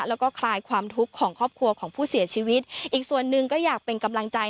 แล้วก็คลายความทุกข์ของครอบครัวของผู้เสียชีวิตอีกส่วนหนึ่งก็อยากเป็นกำลังใจ